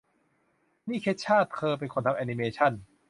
นี่เคชช่า เธอเป็นคนทำแอนิเมชั่น